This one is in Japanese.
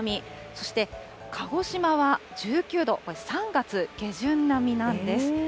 そして鹿児島は１９度、３月下旬並みなんです。